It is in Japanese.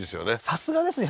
さすがですね